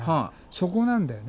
そこなんだよね。